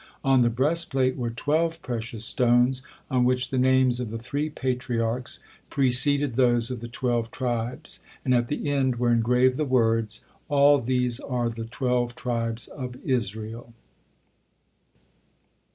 On the breast plate were twelve precious stones, on which the names of the three Patriarchs preceded those of the twelve tribes, and at the end were engraved the words, "All these are the twelve tribes of Israel."